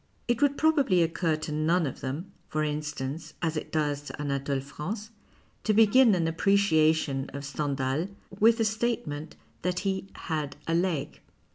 It would probably occur to none of them, for instance, as it docs to Anatole France, to begin an appreciation of Stendhal with the statement that he " had a leg."